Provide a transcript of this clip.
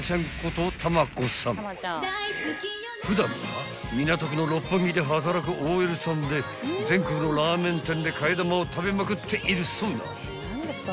［普段は港区の六本木で働くＯＬさんで全国のラーメン店で替玉を食べまくっているそうな］